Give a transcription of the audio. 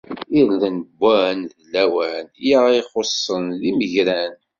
Irden wwan d lawan, i aɣ-ixuṣṣen d imegran!